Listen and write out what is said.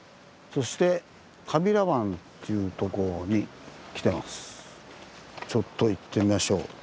そしてちょっと行ってみましょう。